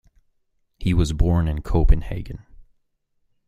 He was born in Copenhagen.